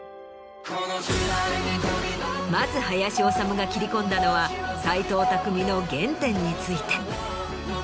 まず林修が切り込んだのは斎藤工の原点について。